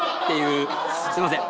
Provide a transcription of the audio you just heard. すみません！